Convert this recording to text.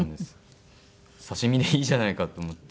刺し身でいいじゃないかと思って。